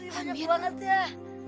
sepatu banyak banget ya